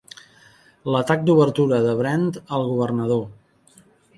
L'atac d'obertura de Brent al Governador!